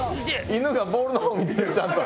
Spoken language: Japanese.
犬がボールの方見てるちゃんと。